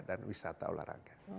dan wisata olahraga